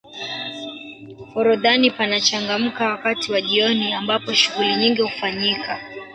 forodhani panachangamka wakati wa jioni ambapo shughuli nyingi hufanyika